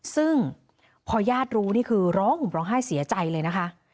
ซึ่งพอญาติรู้นี่คือร้องห่มร้องไห้เสียใจเลยนะคะ